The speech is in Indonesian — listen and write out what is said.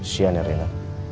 sian ya rena